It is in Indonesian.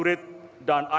segenap keamanan dan keamanan